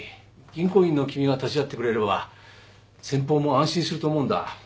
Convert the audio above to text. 銀行員の君が立ち会ってくれれば先方も安心すると思うんだ。